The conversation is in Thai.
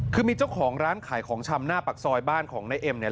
คือมีเจ้าของร้านขายของชำหน้าปากซอยบ้านของนายเอ็มเนี่ย